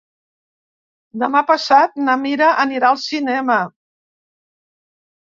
Demà passat na Mira anirà al cinema.